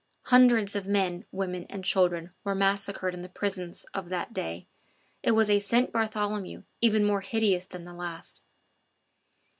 Hundreds of men, women, and children were massacred in the prisons of that day it was a St. Bartholomew even more hideous than the last.